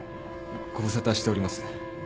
ご無沙汰しております。